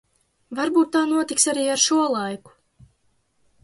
Varbūt tā notiks arī ar šo laiku.